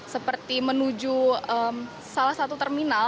seperti menuju salah satu terminal